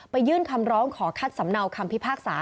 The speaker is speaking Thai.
ยื่นคำร้องขอคัดสำเนาคำพิพากษา